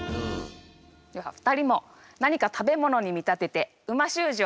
では２人も何か食べ物に見立てて美味しゅう字をお願いします。